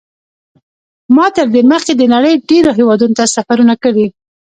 ما تر دې مخکې د نړۍ ډېرو هېوادونو ته سفرونه کړي.